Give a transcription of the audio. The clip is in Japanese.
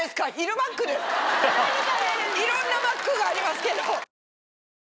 いろんなマックがありますけど。